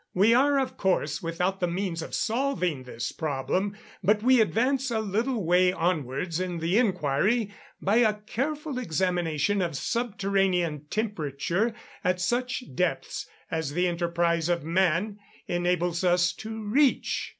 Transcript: We are, of course, without the means of solving this problem; but we advance a little way onwards in the inquiry by a careful examination of subterranean temperature at such depths as the enterprise of man enables us to reach.